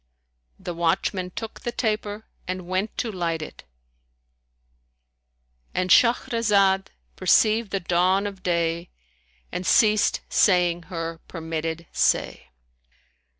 The watchman took the taper and went to light it,—And Shahrazad perceived the dawn of day and ceased saying her permitted say.